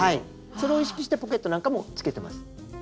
それを意識してポケットなんかもつけてます。